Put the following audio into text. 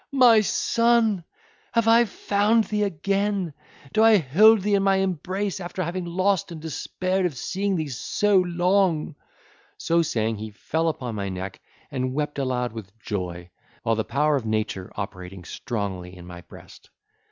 my son! have I found thee again? do I hold thee in my embrace, after having lost and despaired of seeing thee so long?" So saying, he fell upon my neck, and wept aloud with joy; while the power of nature operating strongly in my breast.